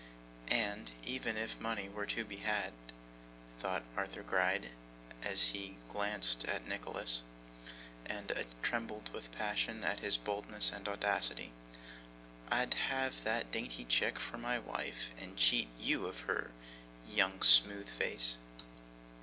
'And even if money were to be had,' thought Arthur Gride, as he glanced at Nicholas, and trembled with passion at his boldness and audacity, 'I'd have that dainty chick for my wife, and cheat YOU of her, young smooth face!